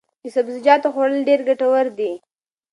د سبزیجاتو خوړل ډېر ګټور دي.